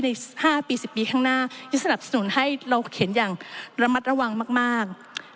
ใน๕ปี๑๐ปีข้างหน้าที่สนับสนุนให้เราเขียนอย่างระมัดระวังมาก